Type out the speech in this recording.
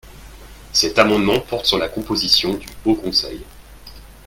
Cet amendement porte sur la composition du Haut conseil.